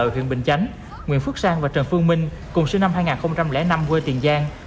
huyện bình chánh nguyễn phúc sang và trần phương minh cùng sinh năm hai nghìn năm quê tiền giang